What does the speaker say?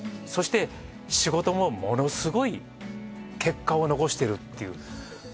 そして仕事もものすごい結果を残してるっていう。